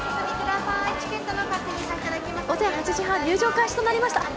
午前８時半入場開始となりました。